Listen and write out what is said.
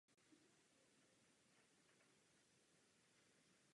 V době svého působení v parlamentu je profesně uváděn jako zemědělec v obci Sloboda.